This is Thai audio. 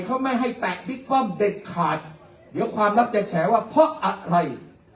เขาไม่ให้แตกพิกป้อมเด็ดขาดเดี๋ยวความลักษณะจะแฉว่าอัดไทย